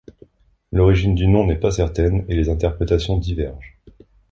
L'origine du nom n'est pas certaine, et les interprétations divergent.